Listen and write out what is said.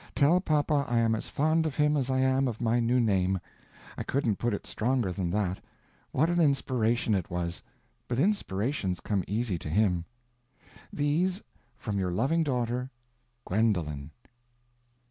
Tell papa I am as fond of him as I am of my new name. I couldn't put it stronger than that. What an inspiration it was! But inspirations come easy to him. These, from your loving daughter, GWENDOLEN.